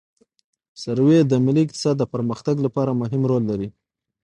سروې د ملي اقتصاد د پرمختګ لپاره مهم رول لري